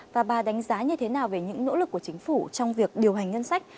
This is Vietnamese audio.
và bà đánh giá như thế nào về những nỗ lực của chính phủ trong việc điều hành ngân sách